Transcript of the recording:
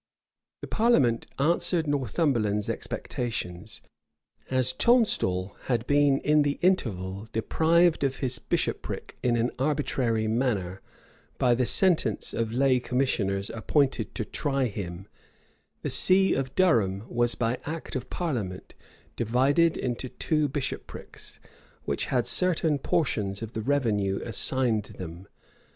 {1553.} The parliament answered Northumberland's expectations. As Tonstal had been in the interval deprived of his bishopric in an arbitrary manner, by the sentence of lay commissioners appointed to try him, the see of Durham was, by act of parliament, divided into two bishoprics, which had certain portions of the revenue assigned them.